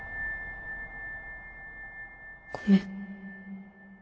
ごめん。